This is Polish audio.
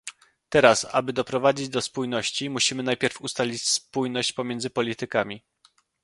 Teraz, aby doprowadzić do spójności, musimy najpierw ustalić spójność pomiędzy politykami